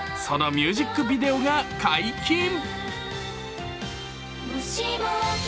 そのミュージックビデオが解禁。